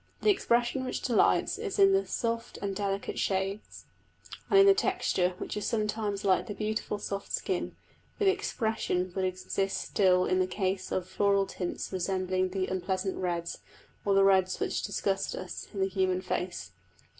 The expression which delights is in the soft and delicate shades; and in the texture which is sometimes like the beautiful soft skin; but the expression would exist still in the case of floral tints resembling the unpleasant reds, or the reds which disgust us, in the human face.